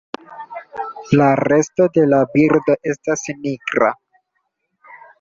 La resto de la birdo estas nigra.